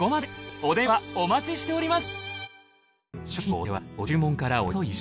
お電話お待ちしております。